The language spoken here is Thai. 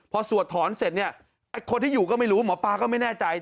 พอสวดถอนเสร็จเนี่ยไอ้คนที่อยู่ก็ไม่รู้หมอปลาก็ไม่แน่ใจ